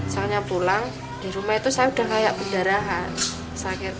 soalnya pulang di rumah itu saya udah kayak pendarahan